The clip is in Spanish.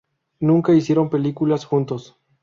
Nunca hicieron películas juntos.